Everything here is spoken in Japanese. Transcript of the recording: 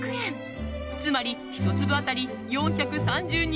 つまり１粒当たり４３２円也。